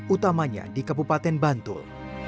utamanya di kabupaten bantul